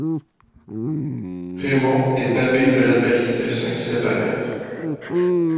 Raymond est abbé de l'abbaye de Saint-Sever.